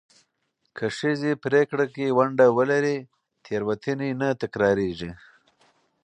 که ښځې پرېکړه کې ونډه ولري، تېروتنې نه تکرارېږي.